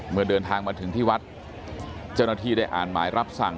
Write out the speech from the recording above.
เมื่อเดินทางมาถึงที่วัดเจ้าหน้าที่ได้อ่านหมายรับสั่ง